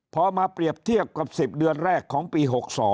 พอมาเปรียบเทียบกับ๑๐เดือนแรกของปี๖๒